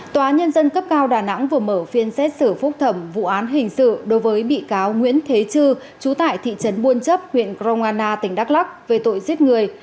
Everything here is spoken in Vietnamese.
tòa nhân dân cấp cao đà nẵng vừa mở phiên xét xử phúc thẩm vụ án hình sự đối với bị cáo nguyễn thế chư chú tại thị trấn buôn chấp huyện grong anna tỉnh đắk lắc về tội giết người